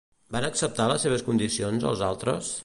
Van acceptar les seves condicions els altres?